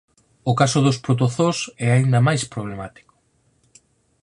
O caso dos protozoos é aínda máis problemático.